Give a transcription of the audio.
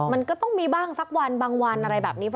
มันก็ต้องมีบ้างสักวันบางวันอะไรแบบนี้